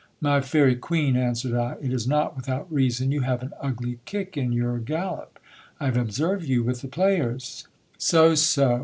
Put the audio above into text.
My fairy cueen, answered I, it is not without reason, you have an ugly kick in your gal lop. I have observed you with the players So, so